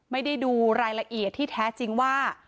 ไม่ได้ดูรายละเอียดที่แท้จริงว่า